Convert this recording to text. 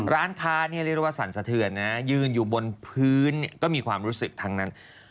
ร้านค้าเนี่ยเรียกได้ว่าสั่นสะเทือนนะยืนอยู่บนพื้นก็มีความรู้สึกทั้งนั้น